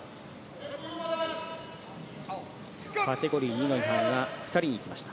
カテゴリー２の違反が２人に行きました。